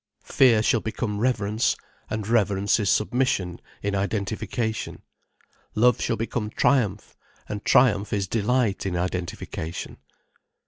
Fear shall become reverence, and reverence is submission in identification; love shall become triumph, and triumph is delight in identification.